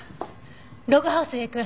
ログハウスへ行く。